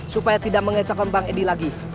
supaya tidak mengecakkan bang edi lagi